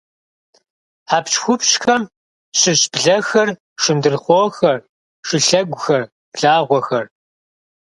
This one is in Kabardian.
Хьэпщхупщхэм щыщщ блэхэр, шындрыхъуохэр, шылъэгухэр, благъуэхэр.